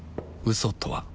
嘘とは